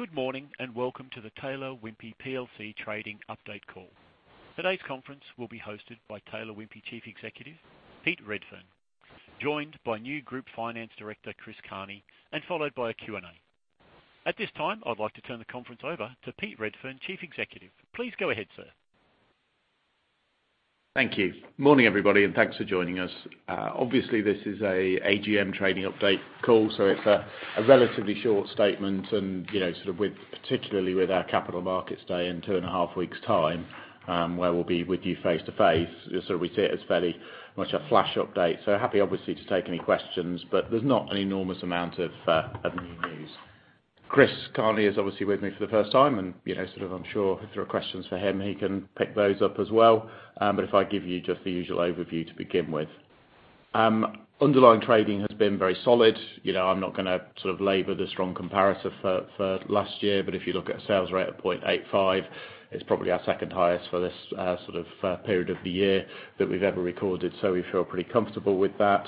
Good morning, and welcome to the Taylor Wimpey PLC trading update call. Today's conference will be hosted by Taylor Wimpey Chief Executive, Pete Redfern, joined by new Group Finance Director, Chris Carney, and followed by a Q&A. At this time, I'd like to turn the conference over to Pete Redfern, Chief Executive. Please go ahead, sir. Thank you. Morning, everybody, and thanks for joining us. Obviously, this is a AGM trading update call, so it's a relatively short statement, and particularly with our capital markets day in two and a half weeks' time, where we'll be with you face-to-face. We see it as fairly much a flash update. Happy, obviously, to take any questions, but there's not an enormous amount of new news. Chris Carney is obviously with me for the first time, and I'm sure if there are questions for him, he can pick those up as well. If I give you just the usual overview to begin with. Underlying trading has been very solid. I'm not going to labor the strong comparative for last year, but if you look at sales rate of 0.85, it's probably our second highest for this period of the year that we've ever recorded, so we feel pretty comfortable with that.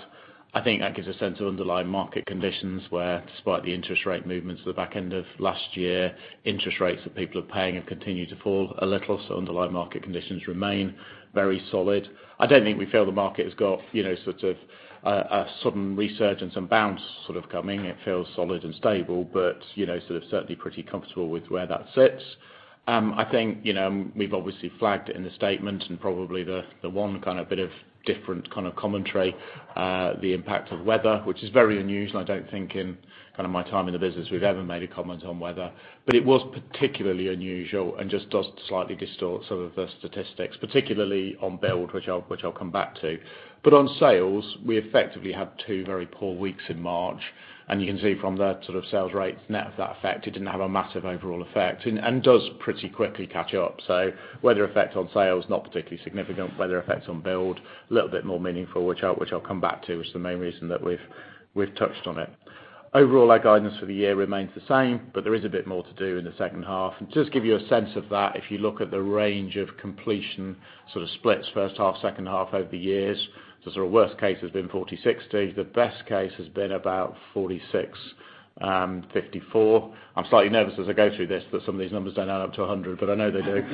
I think that gives a sense of underlying market conditions where, despite the interest rate movements at the back end of last year, interest rates that people are paying have continued to fall a little, so underlying market conditions remain very solid. I don't think we feel the market has got a sudden resurgence and bounce coming. It feels solid and stable, but certainly pretty comfortable with where that sits. I think we've obviously flagged it in the statement and probably the one kind of bit of different kind of commentary, the impact of weather, which is very unusual. I don't think in my time in the business we've ever made a comment on weather. It was particularly unusual and just does slightly distort some of the statistics, particularly on build, which I'll come back to. On sales, we effectively had two very poor weeks in March, and you can see from that sales rate net of that effect, it didn't have a massive overall effect and does pretty quickly catch up. Weather effect on sales, not particularly significant. Weather effects on build, a little bit more meaningful, which I'll come back to, which is the main reason that we've touched on it. Overall, our guidance for the year remains the same, but there is a bit more to do in the second half. Just give you a sense of that, if you look at the range of completion splits first half, second half over the years. Worst case has been 40-60. The best case has been about 46-54. I am slightly nervous as I go through this that some of these numbers don't add up to 100, but I know they do.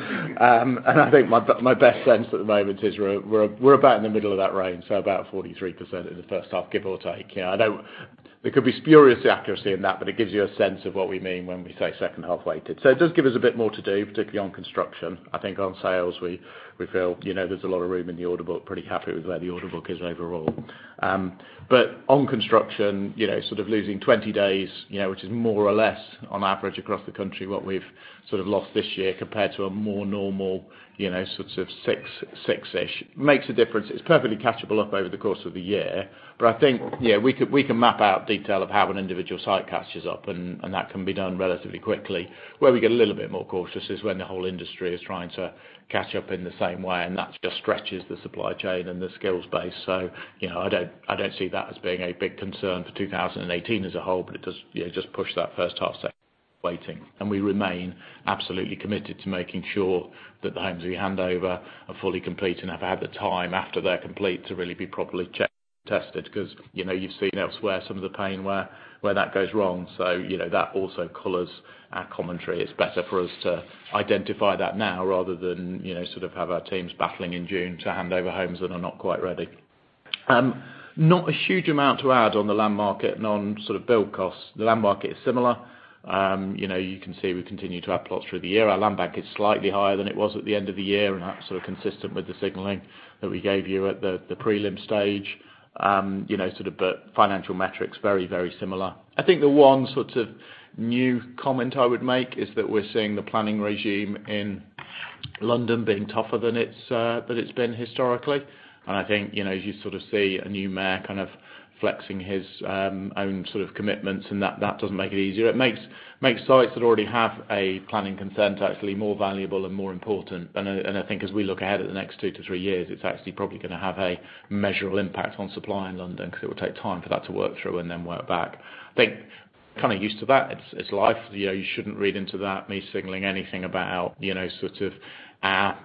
I think my best sense at the moment is we're about in the middle of that range, so about 43% in the first half, give or take. There could be spurious accuracy in that, but it gives you a sense of what we mean when we say second-half weighted. It does give us a bit more to do, particularly on construction. I think on sales, we feel there's a lot of room in the order book, pretty happy with where the order book is overall. On construction, losing 20 days, which is more or less on average across the country what we've lost this year compared to a more normal six-ish, makes a difference. It's perfectly catchable up over the course of the year. I think we can map out detail of how an individual site catches up, and that can be done relatively quickly. Where we get a little bit more cautious is when the whole industry is trying to catch up in the same way, and that just stretches the supply chain and the skills base. I don't see that as being a big concern for 2018 as a whole, but it does just push that first-half weighting. We remain absolutely committed to making sure that the homes we hand over are fully complete and have had the time after they're complete to really be properly checked and tested. Because you've seen elsewhere some of the pain where that goes wrong, so that also colors our commentary. It's better for us to identify that now rather than have our teams battling in June to hand over homes that are not quite ready. Not a huge amount to add on the land market and on build costs. The land market is similar. You can see we continue to add plots through the year. Our land bank is slightly higher than it was at the end of the year, and that's consistent with the signaling that we gave you at the prelim stage. Financial metrics, very, very similar. I think the one new comment I would make is that we're seeing the planning regime in London being tougher than it's been historically. I think as you sort of see a new mayor kind of flexing his own sort of commitments, that doesn't make it easier. It makes sites that already have a planning consent actually more valuable and more important. I think as we look ahead at the next two to three years, it's actually probably going to have a measurable impact on supply in London because it will take time for that to work through and then work back. I think kind of used to that. It's life. You shouldn't read into that, me signaling anything about our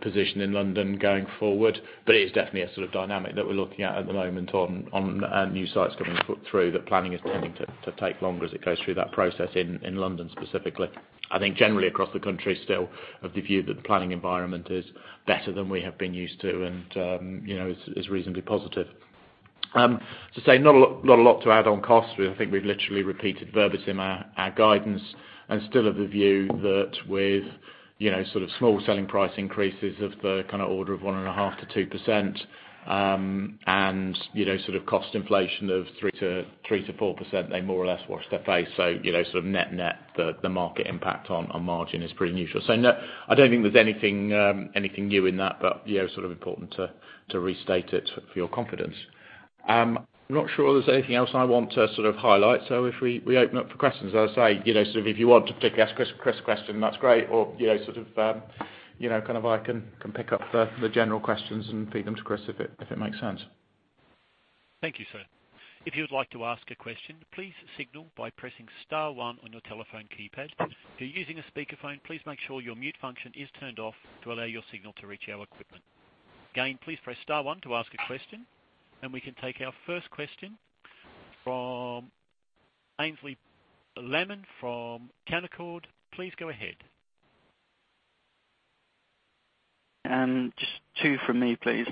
position in London going forward. It is definitely a dynamic that we're looking at at the moment on new sites coming through, that planning is tending to take longer as it goes through that process in London specifically. I think generally across the country still of the view that the planning environment is better than we have been used to and is reasonably positive. To say not a lot to add on costs. I think we've literally repeated verbatim our guidance and still of the view that with small selling price increases of the order of 1.5%-2% and cost inflation of 3%-4%, they more or less wash their face. Net net, the market impact on margin is pretty neutral. I don't think there's anything new in that, but important to restate it for your confidence. I'm not sure there's anything else I want to highlight, so if we open up for questions. As I say, if you want to particularly ask Chris a question, that's great. Or I can pick up the general questions and feed them to Chris if it makes sense. Thank you, sir. If you would like to ask a question, please signal by pressing star one on your telephone keypad. If you're using a speakerphone, please make sure your mute function is turned off to allow your signal to reach our equipment. Again, please press star one to ask a question. We can take our first question from Aynsley Lammin from Canaccord. Please go ahead. Just two from me, please.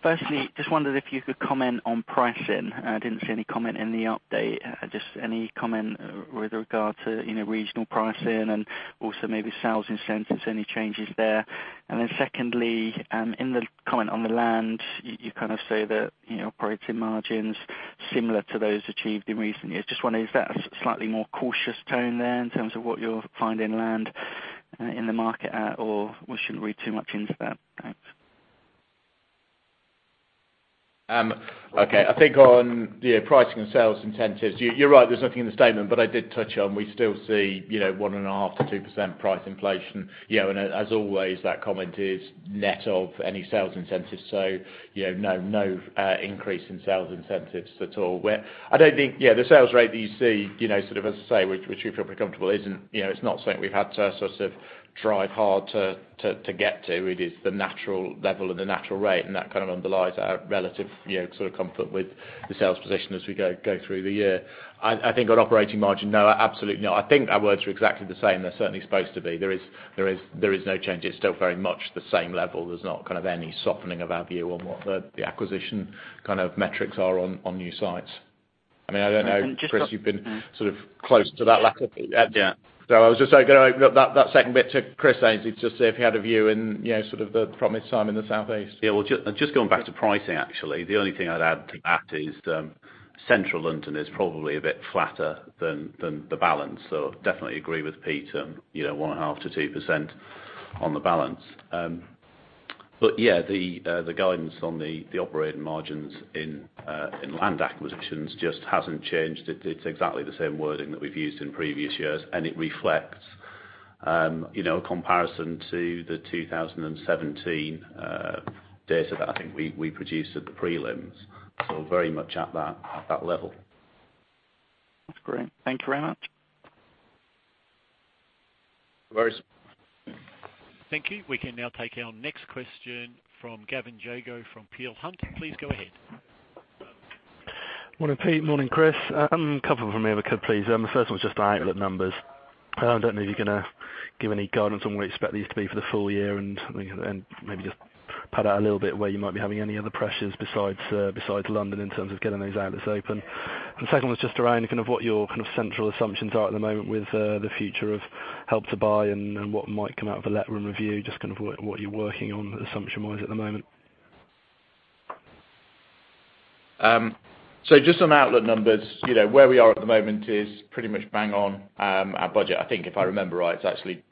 Firstly, just wondered if you could comment on pricing. I didn't see any comment in the update. Just any comment with regard to regional pricing and also maybe sales incentives, any changes there. And then secondly, in the comment on the land, you kind of say that operating margins similar to those achieved in recent years. Just wondering, is that a slightly more cautious tone there in terms of what you're finding land in the market at, or we shouldn't read too much into that? Thanks. Okay. I think on the pricing and sales incentives, you're right, there's nothing in the statement, but I did touch on, we still see 1.5%-2% price inflation. As always, that comment is net of any sales incentives. No, increase in sales incentives at all. The sales rate that you see, sort of as I say, which we feel pretty comfortable, it's not something we've had to sort of drive hard to get to. It is the natural level and the natural rate, and that kind of underlies our relative sort of comfort with the sales position as we go through the year. I think on operating margin, no, absolutely not. Our words are exactly the same. They're certainly supposed to be. There is no change. It's still very much the same level. There's not kind of any softening of our view on what the acquisition kind of metrics are on new sites. I don't know, Chris, you've been sort of close to that. Yeah. I was just going to open that second bit to Chris, Aynsley, to just see if he had a view in sort of the promised time in the Southeast. Yeah. Just going back to pricing, actually. The only thing I'd add to that is, central London is probably a bit flatter than the balance. Definitely agree with Pete, 1.5%-2% on the balance. Yeah, the guidance on the operating margins in land acquisitions just hasn't changed. It's exactly the same wording that we've used in previous years, and it reflects a comparison to the 2017 data that I think we produced at the prelims. Very much at that level. That's great. Thank you very much. Very s- Thank you. We can now take our next question from Gavin Jago from Peel Hunt. Please go ahead. Morning, Pete. Morning, Chris. A couple from me if I could, please. The first one is just the outlet numbers. I don't know if you're going to give any guidance on where you expect these to be for the full year, and maybe just pad out a little bit where you might be having any other pressures besides London in terms of getting those outlets open. The second one is just around what your kind of central assumptions are at the moment with the future of Help to Buy and what might come out of the Letwin Review, just what you're working on assumption-wise at the moment. Just on outlet numbers, where we are at the moment is pretty much bang on our budget. I think if I remember right, it's actually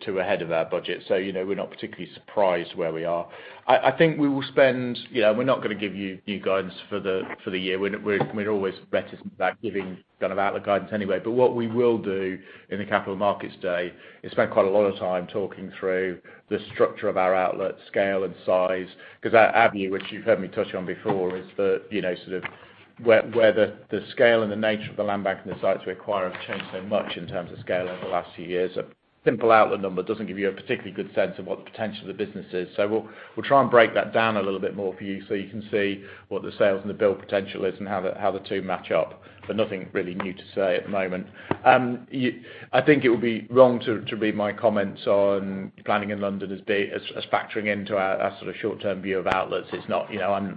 two ahead of our budget. We're not particularly surprised where we are. We're not going to give you guidance for the year. We're always reticent about giving outlet guidance anyway. What we will do in the capital markets day is spend quite a lot of time talking through the structure of our outlet scale and size, because our avenue, which you've heard me touch on before, is where the scale and the nature of the land bank and the sites we acquire have changed so much in terms of scale over the last few years. A simple outlet number doesn't give you a particularly good sense of what the potential of the business is. We'll try and break that down a little bit more for you so you can see what the sales and the build potential is and how the two match up, nothing really new to say at the moment. I think it would be wrong to read my comments on planning in London as factoring into our sort of short-term view of outlets. I'm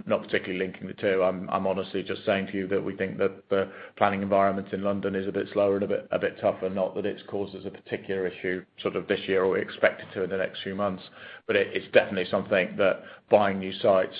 not particularly linking the two. I'm honestly just saying to you that we think that the planning environment in London is a bit slower and a bit tougher, not that it causes a particular issue sort of this year or we expect it to in the next few months. It's definitely something that buying new sites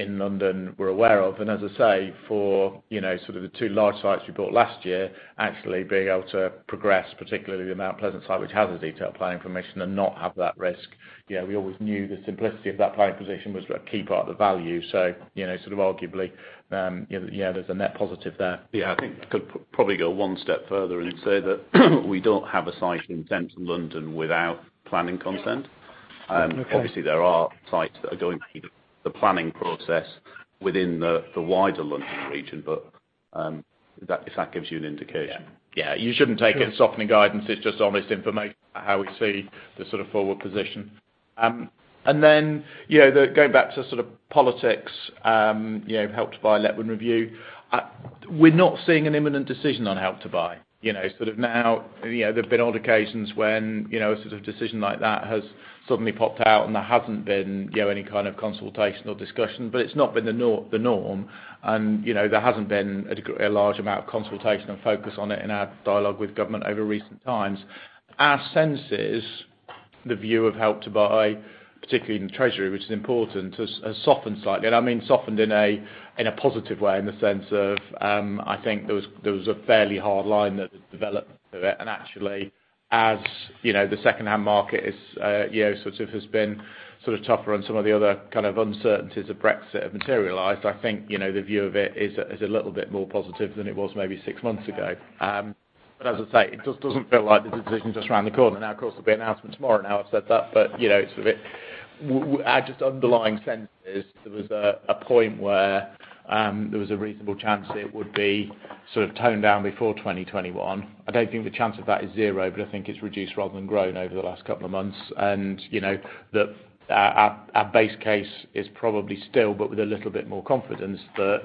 in London, we're aware of. As I say, for sort of the two large sites we bought last year, actually being able to progress, particularly the Mount Pleasant site, which has the detailed planning permission and not have that risk. We always knew the simplicity of that planning position was a key part of the value. Sort of arguably, there's a net positive there. Yeah, I think could probably go one step further and say that we don't have a site intent in London without planning consent. Okay. Obviously, there are sites that are going through the planning process within the wider London region, if that gives you an indication. Yeah. You shouldn't take it as softening guidance. It's just honest information about how we see the sort of forward position. Then, going back to sort of politics, Help to Buy, Letwin Review. We're not seeing an imminent decision on Help to Buy. Sort of now, there have been odd occasions when a sort of decision like that has suddenly popped out and there hasn't been any kind of consultation or discussion, but it's not been the norm. There hasn't been a large amount of consultation and focus on it in our dialogue with government over recent times. Our sense is the view of Help to Buy, particularly in HM Treasury, which is important, has softened slightly. I mean softened in a positive way in the sense of, I think there was a fairly hard line that had developed through it. Actually, as the second-hand market has been sort of tougher and some of the other kind of uncertainties of Brexit have materialized, I think the view of it is a little bit more positive than it was maybe six months ago. As I say, it just doesn't feel like the decision is just around the corner. Of course, there'll be an announcement tomorrow now I've said that. Our just underlying sense is there was a point where there was a reasonable chance it would be toned down before 2021. I don't think the chance of that is zero, but I think it's reduced rather than grown over the last couple of months. Our base case is probably still, but with a little bit more confidence, that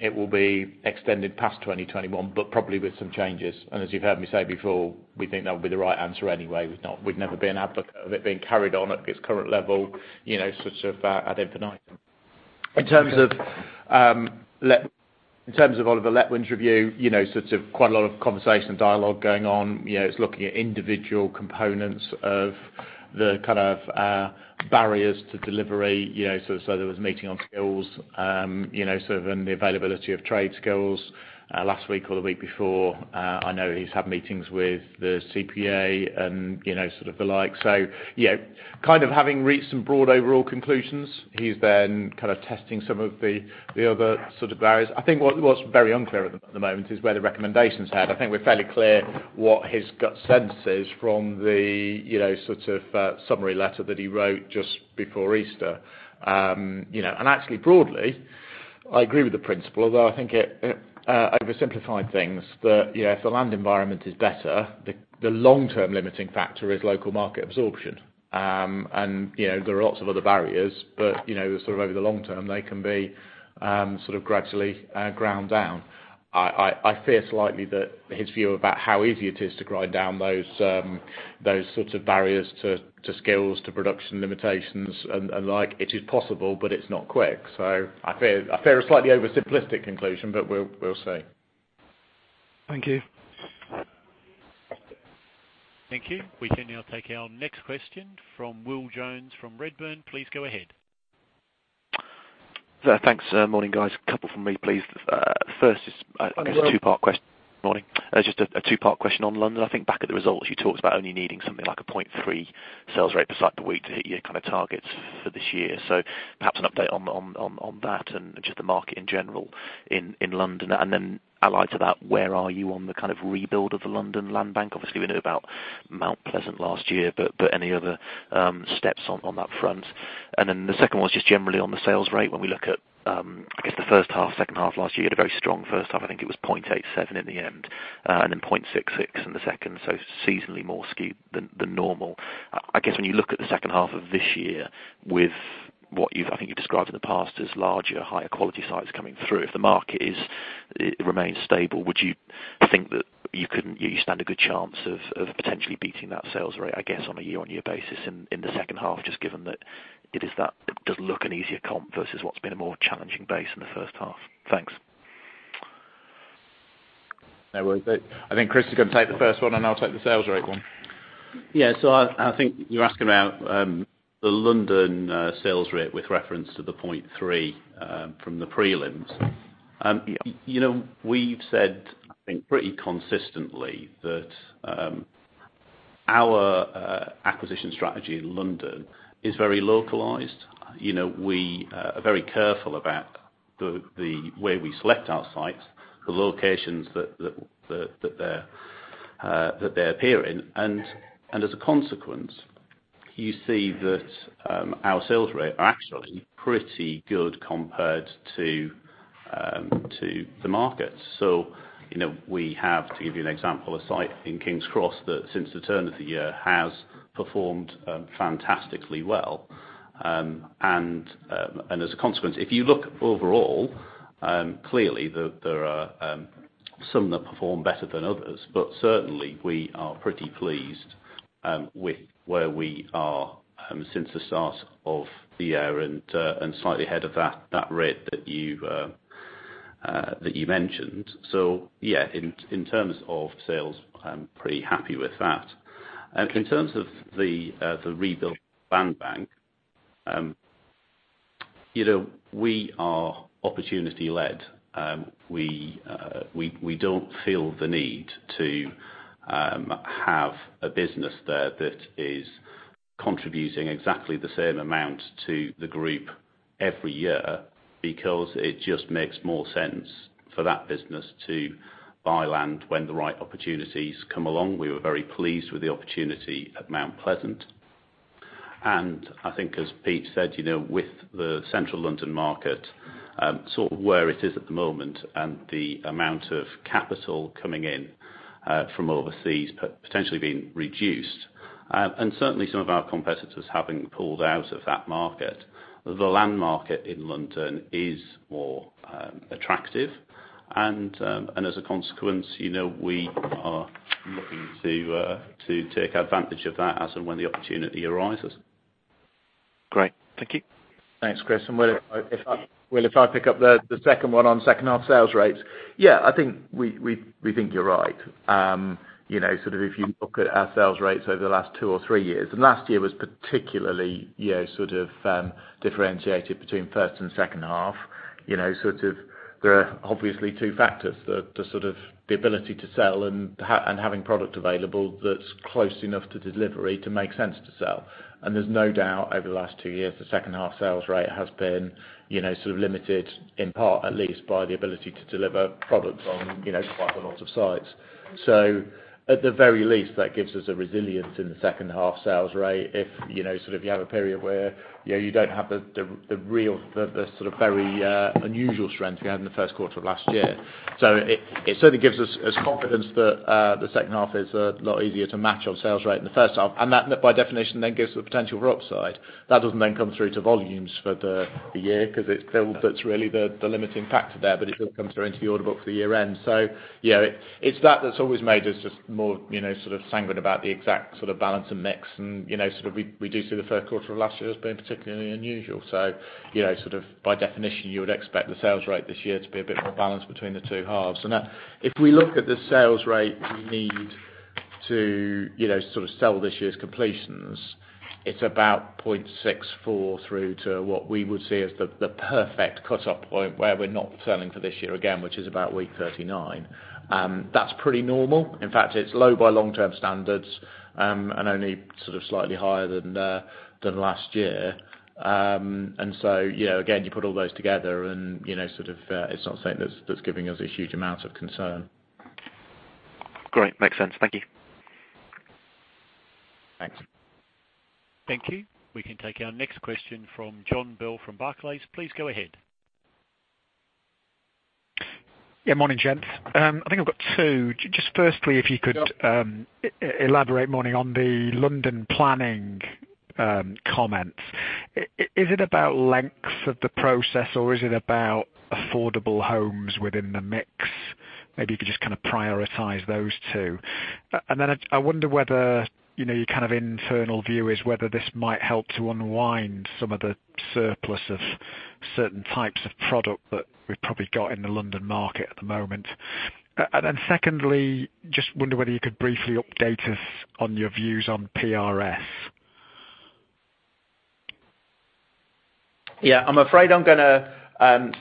it will be extended past 2021, but probably with some changes. As you've heard me say before, we think that would be the right answer anyway. We've never been an advocate of it being carried on at its current level, sort of ad infinitum. In terms of Oliver Letwin's Review, quite a lot of conversation, dialogue going on. It's looking at individual components of the kind of barriers to delivery. There was a meeting on skills, and the availability of trade skills last week or the week before. I know he's had meetings with the CPA and the like. Kind of having reached some broad overall conclusions, he's then testing some of the other barriers. I think what's very unclear at the moment is where the recommendations are. I think we're fairly clear what his gut sense is from the summary letter that he wrote just before Easter. Actually broadly, I agree with the principle, although I think it oversimplified things that if the land environment is better, the long-term limiting factor is local market absorption. There are lots of other barriers, but sort of over the long term, they can be gradually ground down. I fear slightly that his view about how easy it is to grind down those sorts of barriers to skills, to production limitations and like, it is possible, but it's not quick. I fear a slightly oversimplistic conclusion, but we'll see. Thank you. Thank you. We can now take our next question from Will Jones from Redburn. Please go ahead. Thanks. Morning, guys. A couple from me, please. Hi, Will. I guess a two-part question. Morning. Just a two-part question on London. I think back at the results you talked about only needing something like a 0.3 sales rate per site per week to hit your targets for this year. Perhaps an update on that and just the market in general in London. Allied to that, where are you on the kind of rebuild of the London land bank? Obviously, we knew about Mount Pleasant last year, but any other steps on that front? The second one is just generally on the sales rate. When we look at, I guess the first half, second half last year, you had a very strong first half. I think it was 0.87 in the end, and then 0.66 in the second. Seasonally more skewed than normal. I guess when you look at the second half of this year with what I think you've described in the past as larger, higher quality sites coming through, if the market remains stable, would you think that you stand a good chance of potentially beating that sales rate, I guess, on a year-on-year basis in the second half, just given that it does look an easier comp versus what's been a more challenging base in the first half? Thanks. No worries. I think Chris is going to take the first one, and I'll take the sales rate one. Yeah. I think you're asking about the London sales rate with reference to the 0.3 from the prelims. Yeah. We've said, I think pretty consistently that our acquisition strategy in London is very localized. We are very careful about the way we select our sites, the locations that they appear in. As a consequence, you see that our sales rate are actually pretty good compared to the market. We have, to give you an example, a site in King's Cross that since the turn of the year, has performed fantastically well. As a consequence, if you look overall, clearly there are some that perform better than others. Certainly we are pretty pleased with where we are since the start of the year and slightly ahead of that rate that you mentioned. Yeah, in terms of sales, I'm pretty happy with that. In terms of the rebuild land bank, we are opportunity led. We don't feel the need to have a business there that is contributing exactly the same amount to the group every year, because it just makes more sense for that business to buy land when the right opportunities come along. We were very pleased with the opportunity at Mount Pleasant. I think as Pete said, with the central London market, sort of where it is at the moment and the amount of capital coming in from overseas potentially being reduced, certainly some of our competitors having pulled out of that market, the land market in London is more attractive. As a consequence, we are looking to take advantage of that as and when the opportunity arises. Great. Thank you. Thanks, Chris. Will, if I pick up the second one on second half sales rates. Yeah, I think we think you're right. If you look at our sales rates over the last two or three years, last year was particularly differentiated between first and second half. There are obviously two factors, the ability to sell and having product available that's close enough to delivery to make sense to sell. There's no doubt over the last two years, the second half sales rate has been limited, in part at least, by the ability to deliver products on quite a lot of sites. At the very least, that gives us a resilience in the second half sales rate if you have a period where you don't have the real, very unusual strength we had in the first quarter of last year. It certainly gives us confidence that the second half is a lot easier to match on sales rate in the first half, and that by definition then gives the potential for upside. That doesn't then come through to volumes for the year because that's really the limiting factor there, but it still comes through into the order book for the year end. It's that that's always made us just more sanguine about the exact balance and mix and we do see the first quarter of last year as being particularly unusual. By definition, you would expect the sales rate this year to be a bit more balanced between the two halves. If we look at the sales rate we need to sell this year's completions, it's about 0.64 through to what we would see as the perfect cut-off point where we're not selling for this year again, which is about week 39. That's pretty normal. In fact, it's low by long-term standards, and only slightly higher than last year. Again, you put all those together and it's not something that's giving us a huge amount of concern. Great. Makes sense. Thank you. Thanks. Thank you. We can take our next question from Jonny Bell from Barclays. Please go ahead. Morning, gents. I think I've got two. Firstly, if you could Yep elaborate more on the London planning comments. Is it about length of the process or is it about affordable homes within the mix? Maybe you could kind of prioritize those two. I wonder whether your kind of internal view is whether this might help to unwind some of the surplus of certain types of product that we've probably got in the London market at the moment. Secondly, I wonder whether you could briefly update us on your views on PRS. I'm afraid I'm going to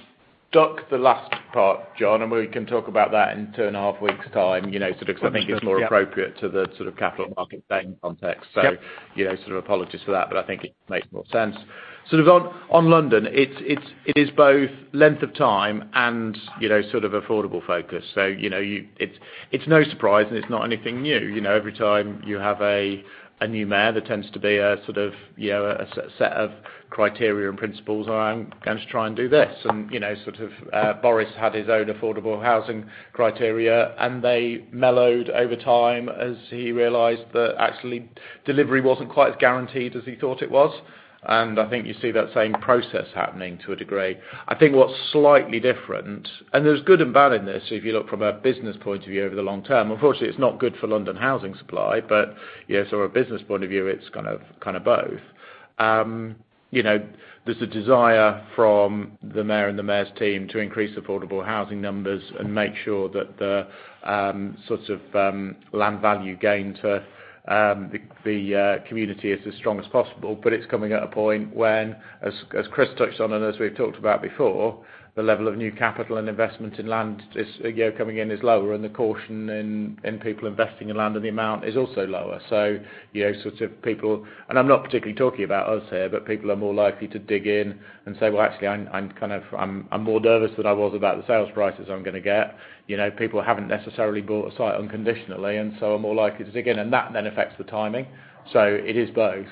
duck the last part, Jonny, we can talk about that in two and a half weeks time. Okay. Yep. Sort of which is more appropriate to the sort of capital market banking context. Yep. Apologies for that, but I think it makes more sense. On London, it is both length of time and affordable focus. It's no surprise and it's not anything new. Every time you have a new mayor, there tends to be a sort of set of criteria and principles around, "I'm going to try and do this." Boris had his own affordable housing criteria, and they mellowed over time as he realized that actually delivery wasn't quite as guaranteed as he thought it was. I think you see that same process happening to a degree. I think what's slightly different, and there's good and bad in this, if you look from a business point of view over the long term. Unfortunately, it's not good for London housing supply, but from a business point of view, it's kind of both. There's a desire from the mayor and the mayor's team to increase affordable housing numbers and make sure that the land value gain to the community is as strong as possible. It's coming at a point when, as Chris touched on and as we've talked about before, the level of new capital and investment in land coming in is lower, and the caution in people investing in land and the amount is also lower. I'm not particularly talking about us here, but people are more likely to dig in and say, "Well, actually, I'm more nervous than I was about the sales prices I'm going to get." People haven't necessarily bought a site unconditionally and so are more likely to dig in. That then affects the timing. It is both.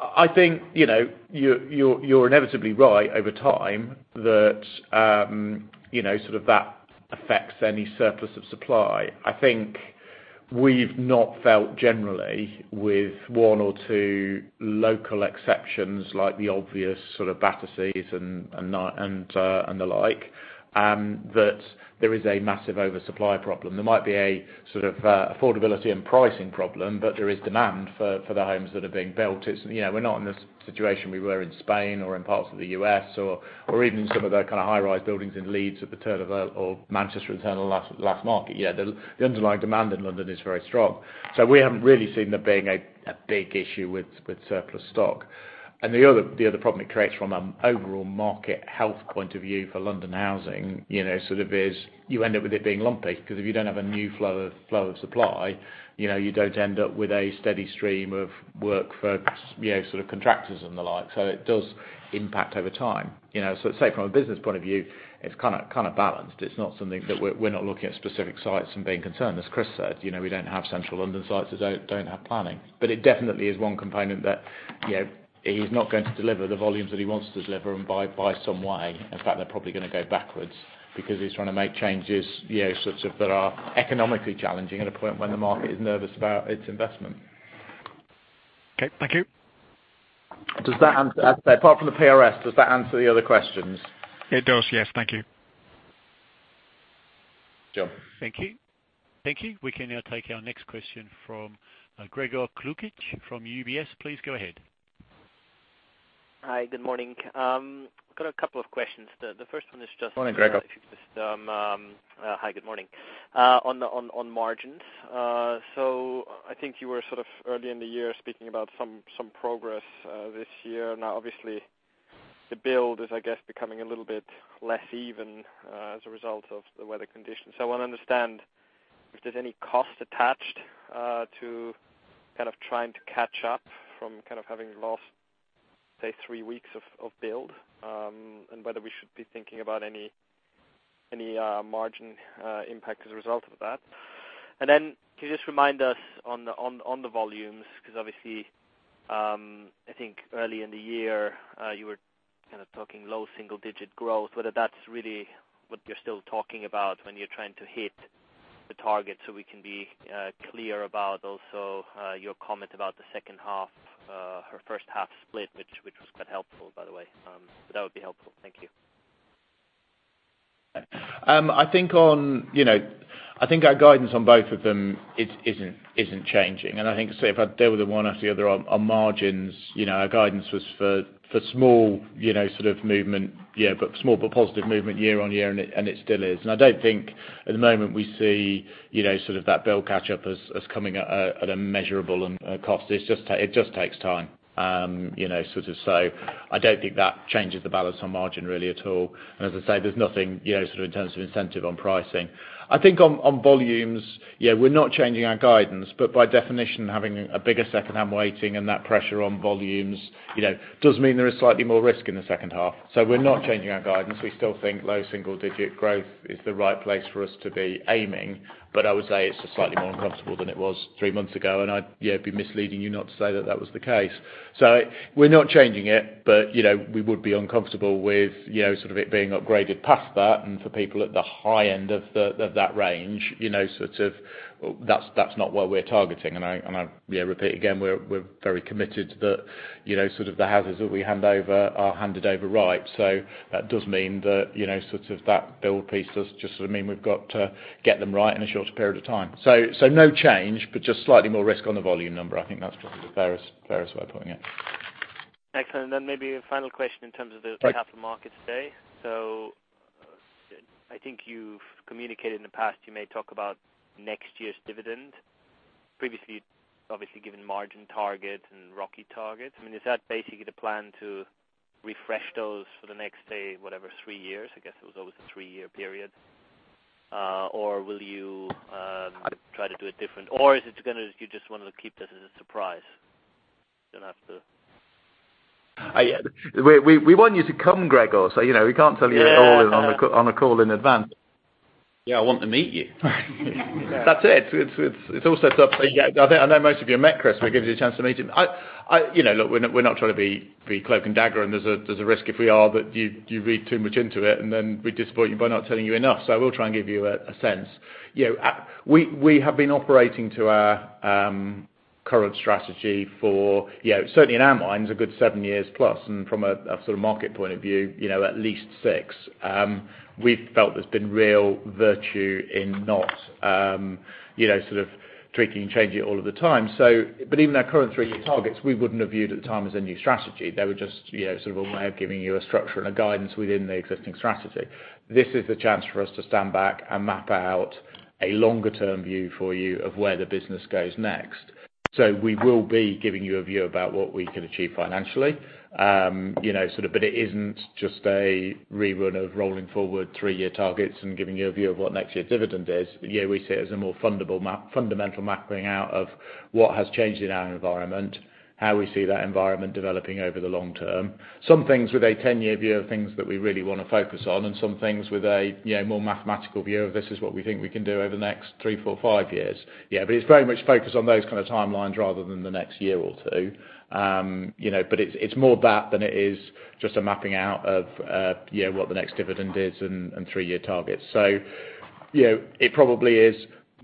I think you're inevitably right over time that that affects any surplus of supply. I think we've not felt generally with one or two local exceptions, like the obvious sort of Battersea and the like, that there is a massive oversupply problem. There might be a sort of affordability and pricing problem, but there is demand for the homes that are being built. We're not in the situation we were in Spain or in parts of the U.S. or even in some of the kind of high-rise buildings in Leeds at the turn of the last market yet. The underlying demand in London is very strong. We haven't really seen there being a big issue with surplus stock. The other problem it creates from an overall market health point of view for London housing, sort of is you end up with it being lumpy, because if you don't have a new flow of supply, you don't end up with a steady stream of work for contractors and the like. It does impact over time. Say from a business point of view, it's kind of balanced. It's not something that we're not looking at specific sites and being concerned. As Chris said, we don't have Central London sites that don't have planning. It definitely is one component that he's not going to deliver the volumes that he wants to deliver and by some way. In fact, they're probably going to go backwards because he's trying to make changes such that are economically challenging at a point when the market is nervous about its investment. Okay. Thank you. Does that answer, apart from the PRS, does that answer the other questions? It does, yes. Thank you. Jonny. Thank you. We can now take our next question from Gregor Kukic from UBS. Please go ahead. Hi. Good morning. Got a couple of questions. The first one is Morning, Gregor if you could just, hi. Good morning. On margins, I think you were early in the year speaking about some progress this year. Obviously the build is, I guess, becoming a little bit less even as a result of the weather conditions. I want to understand if there's any cost attached to trying to catch up from having lost, say, three weeks of build, and whether we should be thinking about any margin impact as a result of that. Can you just remind us on the volumes, because obviously, I think early in the year you were talking low single digit growth, whether that's really what you're still talking about when you're trying to hit the target so we can be clear about also your comment about the first half split, which was quite helpful, by the way. That would be helpful. Thank you. I think our guidance on both of them isn't changing. If I deal with the one after the other, on margins, our guidance was for small but positive movement year-over-year, and it still is. I don't think at the moment we see that build catch up as coming at a measurable cost. It just takes time. I don't think that changes the balance on margin really at all. As I say, there's nothing in terms of incentive on pricing. On volumes, we're not changing our guidance. By definition, having a bigger secondhand waiting and that pressure on volumes does mean there is slightly more risk in the second half. We're not changing our guidance. We still think low single digit growth is the right place for us to be aiming. I would say it's just slightly more uncomfortable than it was three months ago, and I'd be misleading you not to say that that was the case. We're not changing it. We would be uncomfortable with it being upgraded past that and for people at the high end of that range. That's not what we're targeting, and I repeat again, we're very committed that the houses that we hand over are handed over right. That does mean that that build piece does just mean we've got to get them right in a shorter period of time. No change, just slightly more risk on the volume number. I think that's probably the fairest way of putting it. Excellent. Maybe a final question in terms of the Right capital markets day. I think you've communicated in the past you may talk about next year's dividend. Previously, obviously given margin targets and ROCE targets. Is that basically the plan to refresh those for the next, say, whatever, three years? I guess it was always a three-year period. Will you try to do it different or is it you just want to keep this as a surprise? Don't have to We want you to come, Gregor, we can't tell you it all Yeah on a call in advance. Yeah, I want to meet you. That's it. I know most of you have met Chris, but it gives you a chance to meet him. Look, we're not trying to be cloak and dagger, and there's a risk if we are that you read too much into it and then we disappoint you by not telling you enough. I will try and give you a sense. We have been operating to our current strategy for, certainly in our minds, a good seven years plus, and from a sort of market point of view, at least six. We've felt there's been real virtue in not tweaking and changing it all of the time. Even our current three-year targets, we wouldn't have viewed at the time as a new strategy. They were just a way of giving you a structure and a guidance within the existing strategy. This is the chance for us to stand back and map out a longer term view for you of where the business goes next. We will be giving you a view about what we can achieve financially. It isn't just a rerun of rolling forward three-year targets and giving you a view of what next year's dividend is. We see it as a more fundamental mapping out of what has changed in our environment, how we see that environment developing over the long term. Some things with a 10-year view are things that we really want to focus on, and some things with a more mathematical view of this is what we think we can do over the next three, four, five years. Yeah. It's very much focused on those kind of timelines rather than the next year or two. It's more that than it is just a mapping out of what the next dividend is and three-year targets. It probably is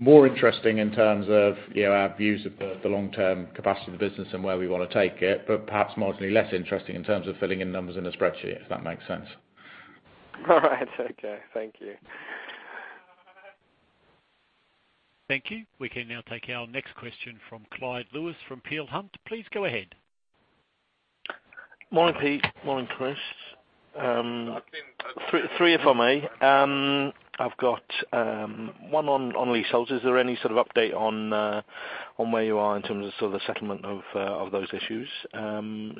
more interesting in terms of our views of the long-term capacity of the business and where we want to take it, perhaps marginally less interesting in terms of filling in numbers in a spreadsheet, if that makes sense. All right. Okay. Thank you. Thank you. We can now take our next question from Clyde Lewis from Peel Hunt. Please go ahead. Morning, Pete. Morning, Chris. Three if I may. I've got one on leasehold. Is there any sort of update on where you are in terms of sort of the settlement of those issues?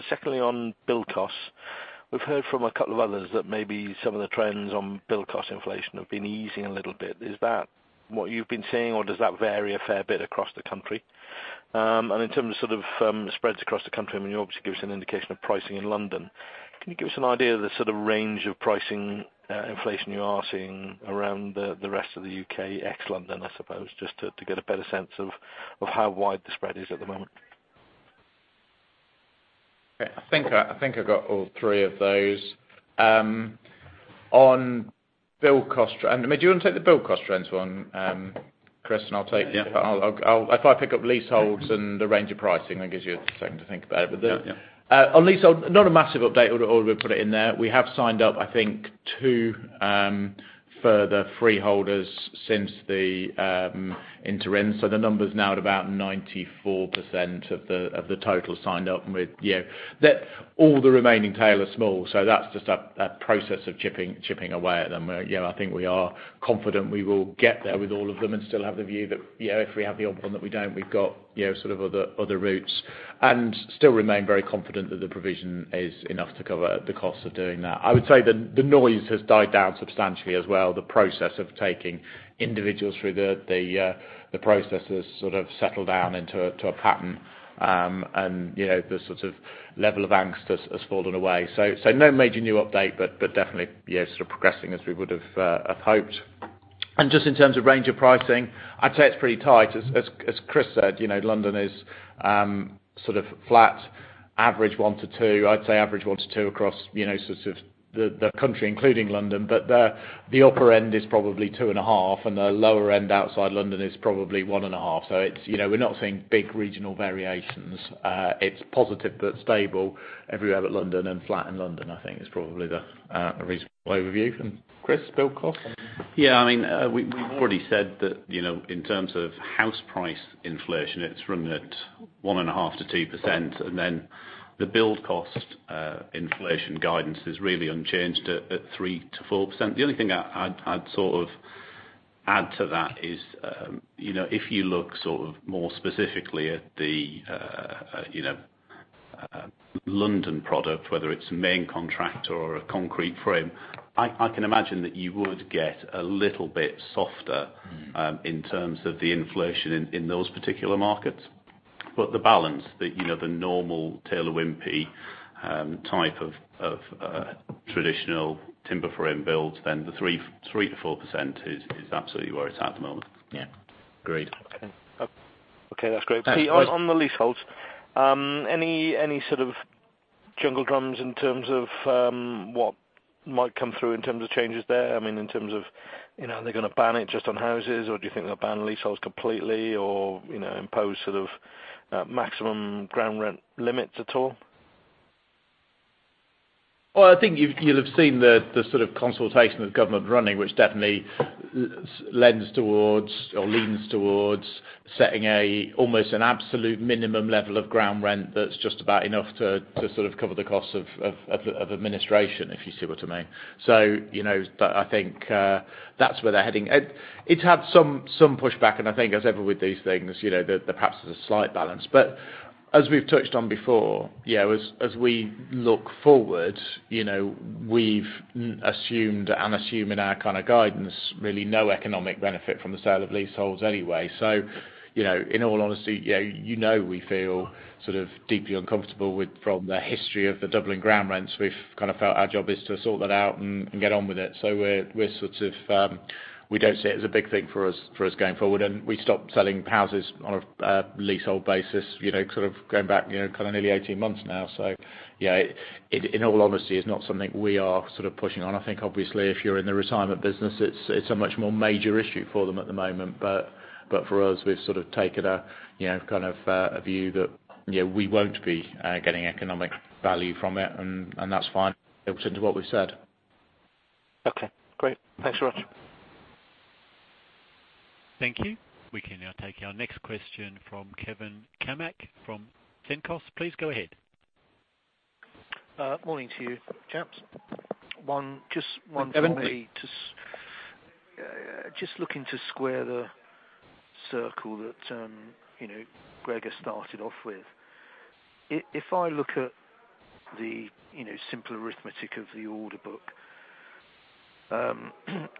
Secondly, on build costs. We've heard from a couple of others that maybe some of the trends on build cost inflation have been easing a little bit. Is that what you've been seeing, or does that vary a fair bit across the country? In terms of spreads across the country, I mean, you obviously give us an indication of pricing in London. Can you give us an idea of the sort of range of pricing inflation you are seeing around the rest of the U.K. ex-London, I suppose, just to get a better sense of how wide the spread is at the moment? I think I got all three of those. Do you want to take the build cost trends one? Chris, and I'll take- Yeah. If I pick up leaseholds and the range of pricing, that gives you a second to think about it. Yeah. On leasehold, not a massive update, although we'll put it in there. We have signed up, I think, two further freeholders since the interim. The number's now at about 94% of the total signed up. With that, all the remaining tail are small, so that's just a process of chipping away at them where I think we are confident we will get there with all of them and still have the view that if we have the odd one that we don't, we've got other routes. Still remain very confident that the provision is enough to cover the costs of doing that. I would say that the noise has died down substantially as well. The process of taking individuals through the processes sort of settled down into a pattern. The level of angst has fallen away. No major new update, but definitely, yes, progressing as we would have hoped. Just in terms of range of pricing, I'd say it's pretty tight. As Chris said, London is sort of flat, average 1%-2%. I'd say average 1%-2% across the country, including London. The upper end is probably 2.5%, and the lower end outside London is probably 1.5%. We're not seeing big regional variations. It's positive but stable everywhere but London, and flat in London, I think, is probably the reasonable overview. Chris, build cost? We've already said that in terms of house price inflation, it's 1.5%-2%. The build cost inflation guidance is really unchanged at 3%-4%. The only thing I'd add to that is if you look more specifically at the London product, whether it's a main contract or a concrete frame, I can imagine that you would get a little bit softer in terms of the inflation in those particular markets. The balance, the normal Taylor Wimpey type of traditional timber frame builds, then the 3%-4% is absolutely where it's at the moment. Agreed. That's great. Thanks. Pete, on the leaseholds, any sort of jungle drums in terms of what might come through in terms of changes there? In terms of, are they going to ban it just on houses, or do you think they'll ban leaseholds completely or impose maximum ground rent limits at all? I think you'll have seen the sort of consultation that the government running, which definitely lends towards, or leans towards setting almost an absolute minimum level of ground rent that's just about enough to cover the cost of administration, if you see what I mean. I think that's where they're heading. It's had some pushback, and I think as ever with these things, there perhaps is a slight balance. As we've touched on before, as we look forward, we've assumed and assume in our kind of guidance really no economic benefit from the sale of leaseholds anyway. In all honesty, you know we feel sort of deeply uncomfortable with, from the history of the doubling ground rents, we've kind of felt our job is to sort that out and get on with it. We don't see it as a big thing for us going forward. We stopped selling houses on a leasehold basis going back nearly 18 months now. Yeah, in all honesty, it's not something we are pushing on. I think obviously if you're in the retirement business, it's a much more major issue for them at the moment. For us, we've sort of taken a view that we won't be getting economic value from it and that's fine. It's into what we've said. Great. Thanks very much. Thank you. We can now take our next question from Kevin Cammack from Cenkos. Please go ahead. Morning to you, champs. Kevin. Just one for me. Just looking to square the circle that Greg has started off with. If I look at the simple arithmetic of the order book,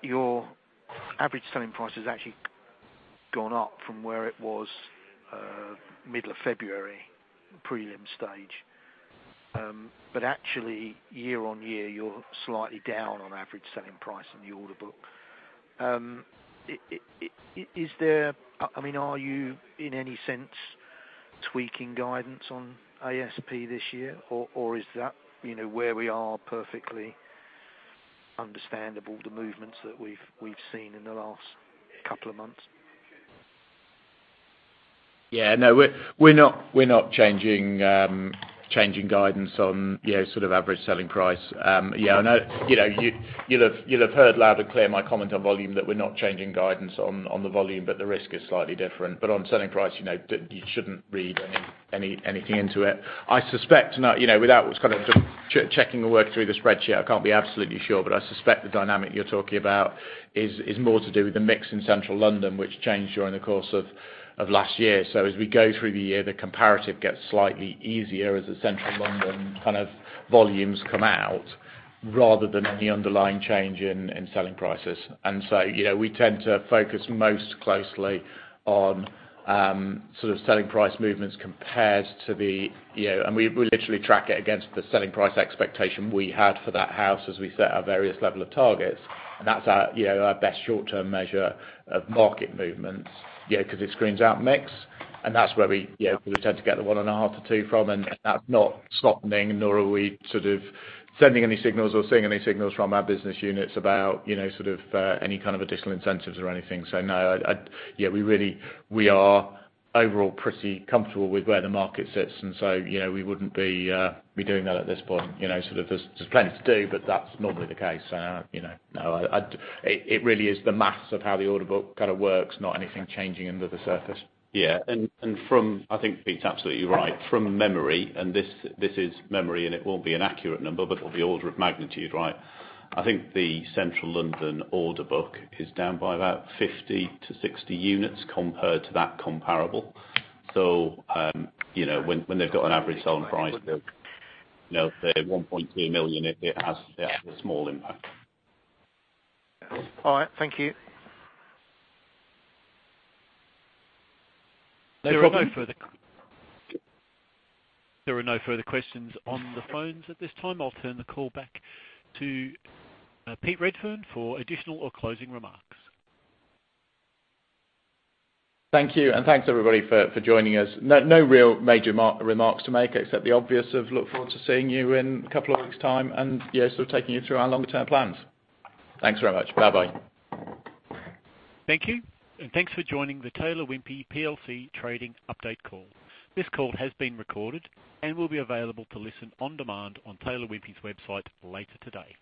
your average selling price has actually gone up from where it was middle of February, prelim stage. Actually year-on-year, you're slightly down on average selling price on the order book. Are you, in any sense, tweaking guidance on ASP this year, or is that where we are perfectly understandable, the movements that we've seen in the last couple of months? No. We're not changing guidance on average selling price. You'll have heard loud and clear my comment on volume that we're not changing guidance on the volume, but the risk is slightly different. On selling price, you shouldn't read anything into it. I suspect, without checking the work through the spreadsheet, I can't be absolutely sure, but I suspect the dynamic you're talking about is more to do with the mix in Central London, which changed during the course of last year. As we go through the year, the comparative gets slightly easier as the Central London kind of volumes come out rather than any underlying change in selling prices. We tend to focus most closely on selling price movements compared to the-- We literally track it against the selling price expectation we had for that house as we set our various level of targets. That's our best short-term measure of market movements. Because it screens out mix, and that's where we tend to get the 1.5 to 2 from, and that's not softening, nor are we sending any signals or seeing any signals from our business units about any kind of additional incentives or anything. No, we are overall pretty comfortable with where the market sits, and we wouldn't be doing that at this point. There's plenty to do, but that's normally the case. It really is the maths of how the order book kind of works, not anything changing under the surface. I think Pete's absolutely right. From memory, this is memory and it won't be an accurate number, but it'll be order of magnitude. I think the Central London order book is down by about 50 to 60 units compared to that comparable. When they've got an average selling price of say 1.2 million, it has a small impact. All right. Thank you. There are no further questions on the phones at this time. I'll turn the call back to Pete Redfern for additional or closing remarks. Thank you, thanks everybody for joining us. No real major remarks to make except the obvious of look forward to seeing you in a couple of weeks' time and sort of taking you through our longer term plans. Thanks very much. Bye-bye. Thank you, thanks for joining the Taylor Wimpey plc Trading Update Call. This call has been recorded and will be available to listen on demand on Taylor Wimpey's website later today.